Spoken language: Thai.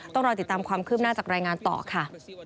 ต้องรอติดตามความคืบหน้าจากรายงานต่อค่ะ